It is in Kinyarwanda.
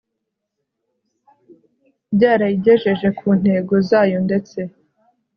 byarayigejeje ku ntego zayo ndeste